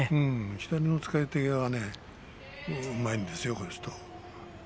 左の使い方がうまいんですよ、この人。